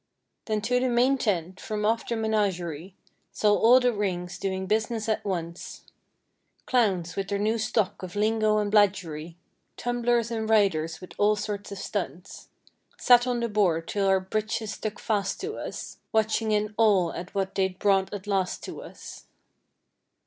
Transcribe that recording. Then to the Main Tent from off the menagerie; Saw all the rings doing business at once— Clowns with their new stock of lingo and bladgery. Tumblers and riders with all sorts of stunts. Sat on the board 'till our breeches stuck fast to us. Watching in awe at what they'd brought at last to us.